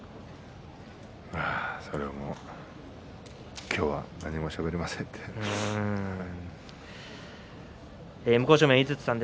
それも今日は何もしゃべりません。